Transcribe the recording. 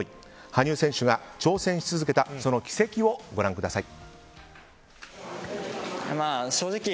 羽生選手が挑戦し続けたその軌跡をご覧ください。